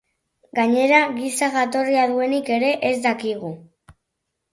Gainera giza jatorria duenik ere ez dakigu.